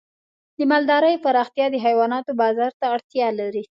د مالدارۍ پراختیا د حیواناتو بازار ته اړتیا لري.